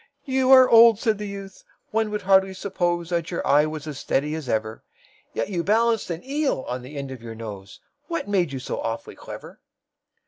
"You are old," said the youth, "one would hardly suppose That your eye was as steady as ever; Yet you balanced an eel on the end of your nose What made you so awfully clever?"